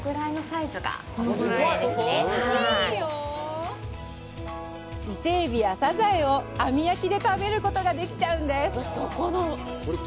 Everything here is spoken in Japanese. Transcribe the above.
イセエビやサザエを網焼きで食べることができちゃうんです。